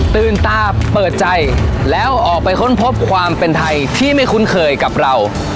ตื่นตาเปิดใจแล้วออกไปค้นพบความเป็นไทยที่ไม่คุ้นเคยกับเรา